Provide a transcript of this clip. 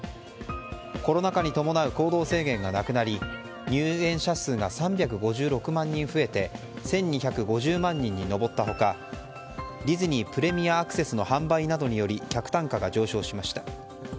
コロナ禍に伴う行動制限がなくなり入園者数が３５６万人増えて１２５０万人に上った他ディズニー・プレミアアクセスの販売などにより客単価が上昇しました。